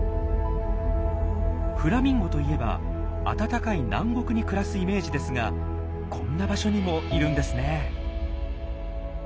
フラミンゴといえば暖かい南国に暮らすイメージですがこんな場所にもいるんですね。